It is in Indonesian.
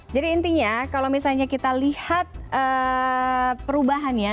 jadi intinya kalau misalnya kita lihat perubahannya